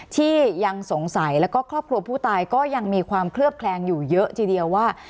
ที่ยังสงสัยแล้วก็ครอบครัวผู้ตายก็ยังมีความเคลือบแคลงอยู่เยอะทีเดียวว่า